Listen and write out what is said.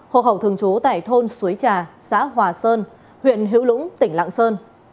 hộ khẩu thường chú tại thôn suối trà xã hòa sơn huyện hiếu lũng tỉnh lạng sơn